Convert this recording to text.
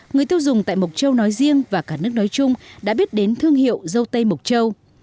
người tiêu dùng tại mộc châu nói riêng và cả nước nói chung đã biết đến thương hiệu dâu tây mộc châu